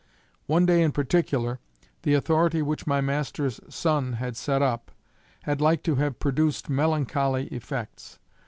One day in particular, the authority which my master's son had set up, had like to have produce melancholy effects.